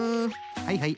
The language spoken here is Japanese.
はいはい。